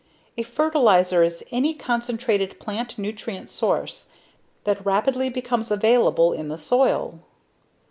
A fertilizer is any concentrated plant nutrient source that rapidly becomes available in the soil.